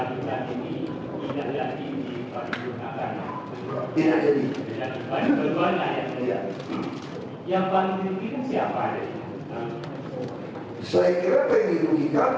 saya kok kalian kerjain dulu